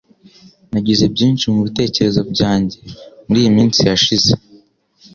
Nagize byinshi mubitekerezo byanjye muriyi minsi yashize.